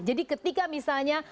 jadi ketika misalnya